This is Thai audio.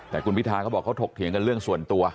แต่คุณพิทาเขาบอกเขาถกเถียงกันเรื่องส่วนตัว